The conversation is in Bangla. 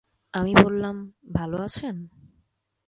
আমি বললাম, ভাল আছেন?